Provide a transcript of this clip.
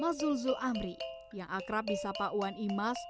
mas zulzul amri yang akrab bisa pak wan imas